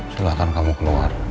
silahkan kamu keluar